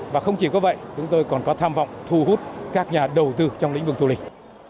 và không chỉ có vậy chúng tôi còn có tham vọng thu hút các nhà đầu tư trong lĩnh vực du lịch